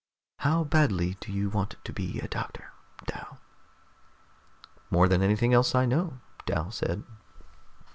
"How badly do you want to be a doctor, Dal?" "More than anything else I know," Dal said.